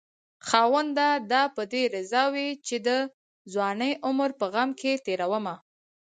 خاونده دا به دې رضا وي چې د ځوانۍ عمر په غم کې تېرومه